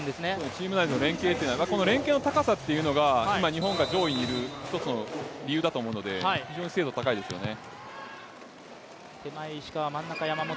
チーム内の連係、この連係の高さっていうのが今日本が上位にいる一つの理由だと思うので非常に精度高いですよね。